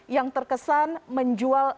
yang terkesan menjual